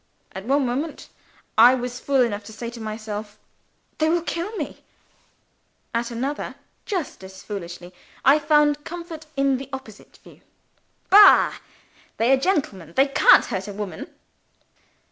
At one moment, I was fool enough to say to myself, "They will kill me." At another, just as foolishly, I found comfort in the opposite view. "Bah! They are gentlemen; they can't hurt a woman!"